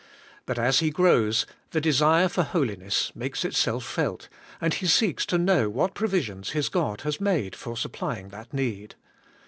But as he grows, the desire for holiness makes itself felt, and he seeks to know what provisions his God has made for supplying that need.